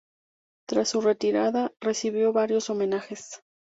Tras su retirada recibió varios homenajes.